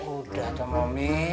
udah dong momi